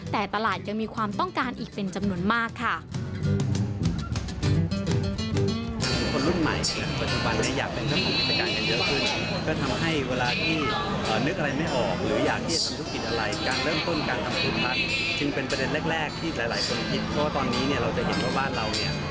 แต่ตลาดยังมีความต้องการอีกเป็นจำนวนมากค่ะ